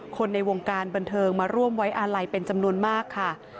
คนในวงการบันเทิงมาร่วมไว้อาลัยเป็นจำนวนมากค่ะ